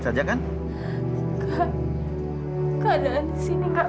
anaknya ada di rumah